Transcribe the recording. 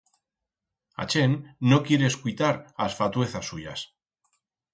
A chent no quiere escuitar as fatuezas suyas.